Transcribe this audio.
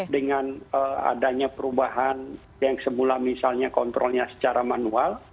dengan adanya perubahan yang semula misalnya kontrolnya secara manual